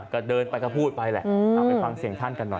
ก็เดินไปก็พูดไปแหละเอาไปฟังเสียงท่านกันหน่อย